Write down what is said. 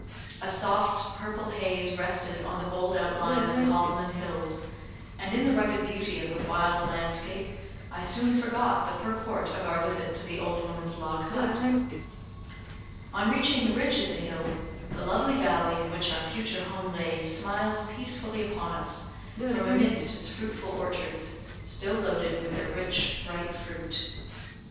A soft purple haze rested on the bold outline of the Haldimand hills, and in the rugged beauty of the wild landscape I soon forgot the purport of our visit to the old woman's log hut. On reaching the ridge of the hill, the lovely valley in which our future home lay smiled peacefully upoon us from amidst its fruitful orchards, still loaded with their rich, ripe fruit.